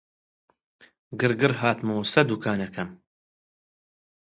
گڕگڕ هاتمەوە سەر دووکانەکەم